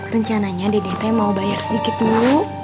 rencananya dede teh mau bayar sedikit dulu